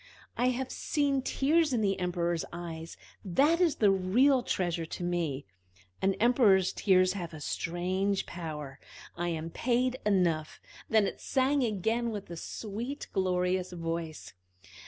"I have seen tears in the Emperor's eyes that is the real treasure to me. An Emperor's tears have a strange power. I am paid enough!" Then it sang again with a sweet, glorious voice.